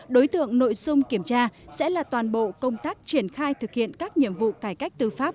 đối tượng nội dung kiểm tra sẽ là toàn bộ công tác triển khai thực hiện các nhiệm vụ cải cách tư pháp